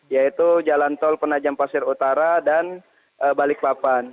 yaitu jalan tol penajam pasir utara dan balikpapan